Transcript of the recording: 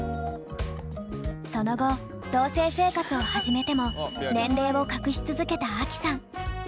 その後同棲生活を始めても年齢を隠し続けたアキさん。